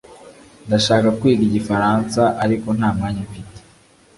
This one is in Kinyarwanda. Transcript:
Ndashaka kwiga Igifaransa ariko nta mwanya mfite